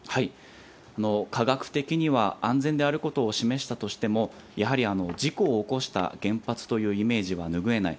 科学的には安全であることを示したとしても、やはり事故を起こした原発というイメージは拭えない。